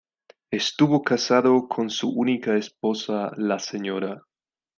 Estuvo casado con su única esposa, la Sra.